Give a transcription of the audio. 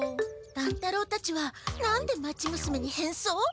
乱太郎たちは何で町娘に変装？